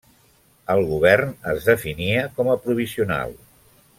El govern es definia com a 'provisional'.